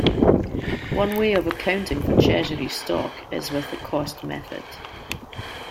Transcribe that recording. One way of accounting for treasury stock is with the cost method.